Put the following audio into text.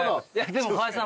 でも川合さん